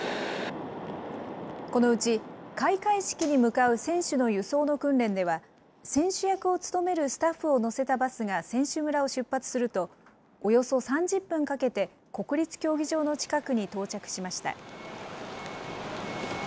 このうち、開会式に向かう選手の輸送の訓練では、選手役を務めるスタッフを乗せたバスが選手村を出発すると、およそ３０分かけて国立競技場の近くに到着しました。